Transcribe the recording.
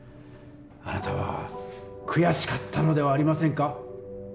あなたは悔しかったのではありませんか？